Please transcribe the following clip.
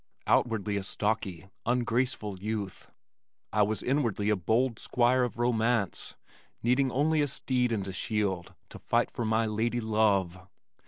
Outwardly a stocky, ungraceful youth, I was inwardly a bold squire of romance, needing only a steed and a shield to fight for my lady love.